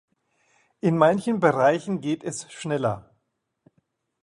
In manchen Bereichen geht es schneller.